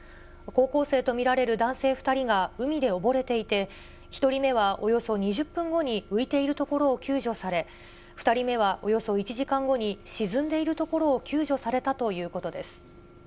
高校生と見られる男性２人が海で溺れていて、１人目はおよそ２０分後に浮いているところを救助され、２人目はおよそ１時間後に、沈んでいるところを救助されたということです。